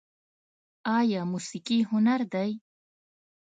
آیا موسیقي هنر دی؟